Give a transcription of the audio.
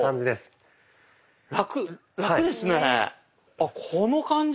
あこの感じ。